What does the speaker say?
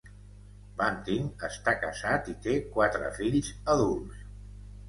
Bunting està casat i té quatre fills adults.